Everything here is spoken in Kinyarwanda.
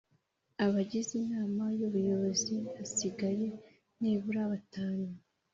Abagize inama y ubuyobozi hasigaye nibura batanu